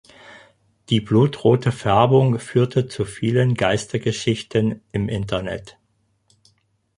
Die blutrote Färbung führte zu vielen Geistergeschichten im Internet.